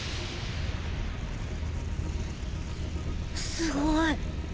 すごい。